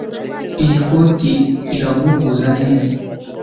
Iyi koti iraguhuza neza.